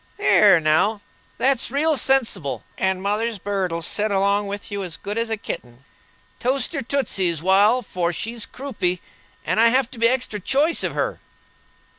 "There now, that's real sensible; and mother's bird'll set along with you as good as a kitten. Toast her tootsies wal, for she's croupy, and I have to be extra choice of her."